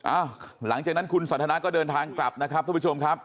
หลังจากนั้นคุณสันทนาก็เดินทางกลับนะครับทุกผู้ชมครับ